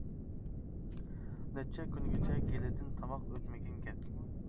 نەچچە كۈنگىچە گىلىدىن تاماق ئۆتمىگەن گەپ.